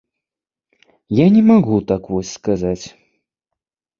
Я не магу так вось сказаць.